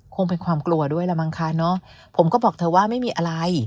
คงเป็นความกลัวด้วยละมั้งคะเนอะผมก็บอกเธอว่าไม่มีอะไร